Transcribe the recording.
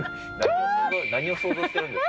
何を想像してるんですか。